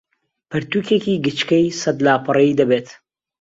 پەرتووکێکی گچکەی سەد لاپەڕەیی دەبێت